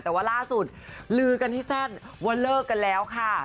แต่ว่าล่าสุดลือกันให้แซ่ดว่าเลิกกันแล้วค่ะ